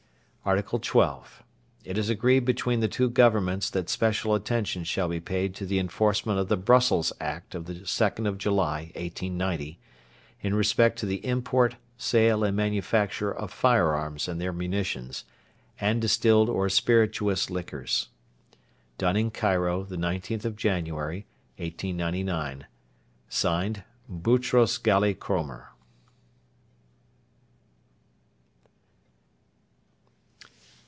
ART. XII. It is agreed between the two Governments that special attention shall be paid to the enforcement of the Brussels Act of the 2nd of July, 1890, in respect to the import, sale, and manufacture of fire arms and their munitions, and distilled or spirituous liquors. Done in Cairo, the 19th of January, 1899. Signed: BOURTROS GHALI CROMER.